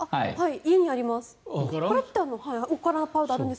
家にあります。